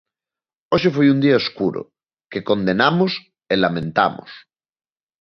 Hoxe foi un día escuro, que condenamos e lamentamos.